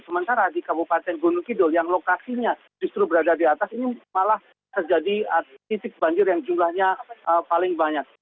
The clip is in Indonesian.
sementara di kabupaten gunung kidul yang lokasinya justru berada di atas ini malah terjadi titik banjir yang jumlahnya paling banyak